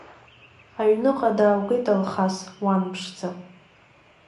Аҩныҟа дааугеит, Алхас, уан ԥшӡа…